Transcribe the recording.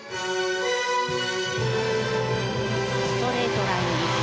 ストレートラインリフト。